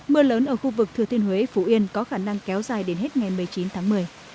mưa lớn ở khu vực thừa thiên huế phú yên có khả năng kéo dài đến hết ngày một mươi chín tháng một mươi